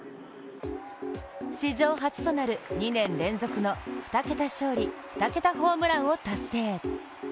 史上初となる２年連続の２桁勝利２桁ホームランを達成。